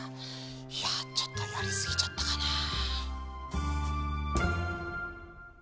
いやちょっとやりすぎちゃったかなあ。